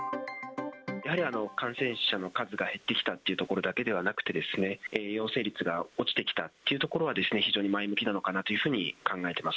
やはり感染者の数が減ってきたというところだけではなくて、陽性率が落ちてきたというところは、非常に前向きなのかなというふうに考えてます。